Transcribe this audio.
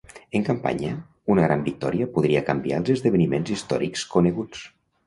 En campanya, una gran victòria podria canviar els esdeveniments històrics coneguts.